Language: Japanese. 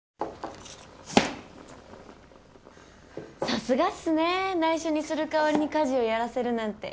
さすがっすね。内緒にする代わりに家事をやらせるなんて。